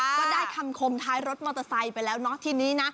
ก็ได้คำคมท้ายรถมอเตอร์ไซค์ไปแล้วเนาะทีนี้นะ